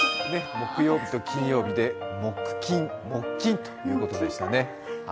木曜日と金曜日でもっきんということでしたね。